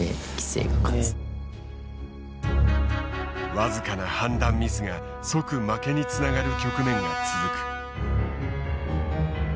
僅かな判断ミスが即負けにつながる局面が続く。